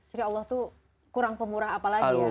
jadi allah tuh kurang pemurah apalagi ya